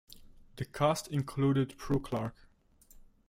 The cast included Prue Clarke.